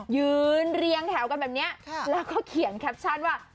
ยืนเรียงแถวกันแบบนี้แล้วก็เขียนแคปชั่นว่า